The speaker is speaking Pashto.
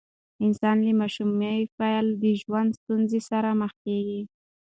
انسان له ماشومۍ پیل د ژوند ستونزو سره مخ کیږي.